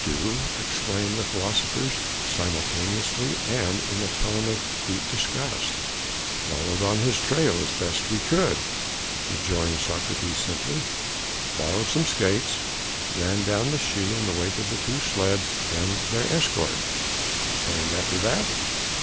"Do?" exclaimed the philosophers simultaneously and in a tone of deep disgust. "Followed on his trail as best we could," rejoins Socrates simply, "borrowed some skates, ran down the Schie in the wake of the two sledges and their escort." "And after that?"